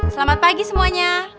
selamat pagi semuanya